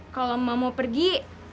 kalau mak mau pergi